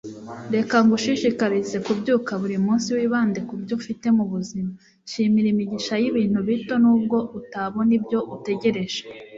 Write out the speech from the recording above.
reka ngushishikarize kubyuka buri munsi wibande kubyo ufite mubuzima. shimira imigisha y'ibintu bito, nubwo utabona ibyo utegereje